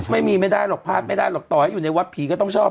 ไม่ได้หรอกพลาดไม่ได้หรอกต่อให้อยู่ในวัดผีก็ต้องชอบ